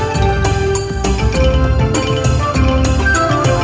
โชว์สี่ภาคจากอัลคาซ่าครับ